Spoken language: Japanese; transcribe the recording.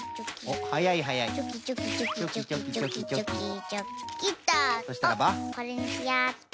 おっこれにしようっと。